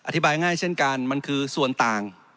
ง่ายเช่นกันมันคือส่วนต่าง